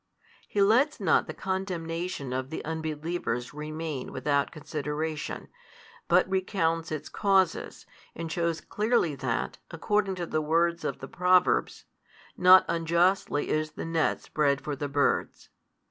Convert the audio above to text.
He lets not the condemnation of the unbelievers remain without consideration, but recounts its causes, and shews clearly that, according to the words of the Proverbs, Not unjustly is the net spread for the birds.